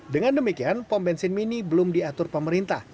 dengan demikian pom bensin mini belum diatur pemerintah